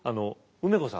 梅子さん。